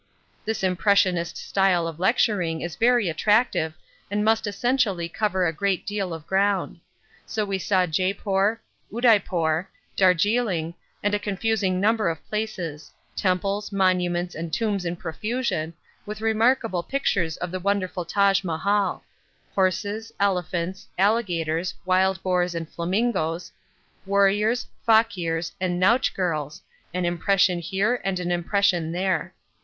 This impressionist style of lecturing is very attractive and must essentially cover a great deal of ground. So we saw Jeypore, Udaipore, Darjeeling, and a confusing number of places temples, monuments and tombs in profusion, with remarkable pictures of the wonderful Taj Mahal horses, elephants, alligators, wild boars, and flamingoes warriors, fakirs, and nautch girls an impression here and an impression there.